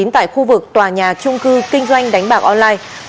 tại khu vực tòa nhà trung cư kinh doanh đánh bạc online